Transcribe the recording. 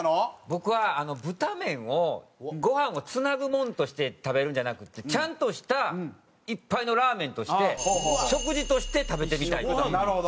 僕はブタメンをご飯を繋ぐものとして食べるんじゃなくてちゃんとした一杯のラーメンとして食事として食べてみたいっていう。